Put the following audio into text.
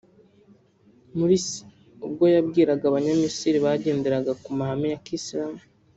Mursi ubwo yabwiraga Abanyamisiri bagendera ku mahame ya kisilamu